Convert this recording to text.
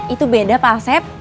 itu beda pak sep